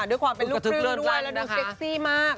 ด้วยความเป็นลูกครึ่งด้วยแล้วดูเซ็กซี่มาก